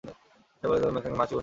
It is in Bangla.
সে বলে, তোমার নাকে মাছি বসে আছে।